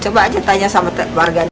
coba aja tanya sama warga